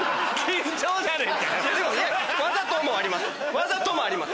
わざともあります